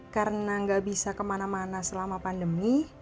karena nggak bisa kemana mana selama pandemi